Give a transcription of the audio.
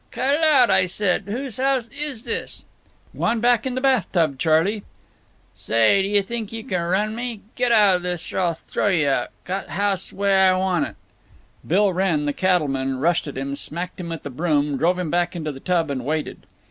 "Cut it out, I said. Whose house is this?" "Gwan back in the bath tub, Charley." "Say, d' yuh think you can run me? Get out of this, or I'll throw you out. Got house way I want it." Bill Wrenn, the cattleman, rushed at him, smacked him with the broom, drove him back into the tub, and waited.